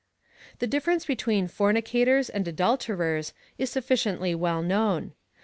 The difl'erence hetween fornicators and adulterers is suffi ciently well known.